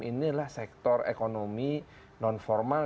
inilah sektor ekonomi non formal